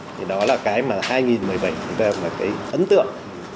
thì đó là cái mà hai nghìn một mươi bảy cái ấn tượng chúng ta đã đạt được